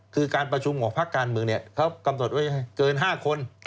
คือการประชุมของภาคการเมืองเขากำหนดไว้เกิน๕คน